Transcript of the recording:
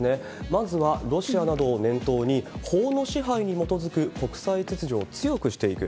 まずはロシアなどを念頭に、法の支配に基づく国際秩序を強くしていく。